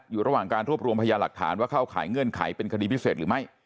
อยู่ระหว่างการรวบรวมพยาหลักฐานว่าเข้าขายเงื่อนไขเป็นคดีพิเศษหรือไม่